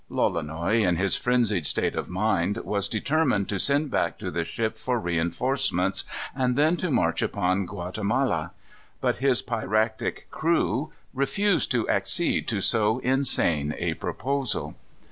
Lolonois, in his frenzied state of mind, was determined to send back to the ship for reënforcements, and then to march upon Guatemala. But his piratic crew refused to accede to so insane a proposal.